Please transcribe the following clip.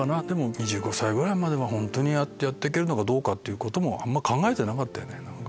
２５歳ぐらいまでは本当にやってけるかどうかってこともあんま考えてなかったよね。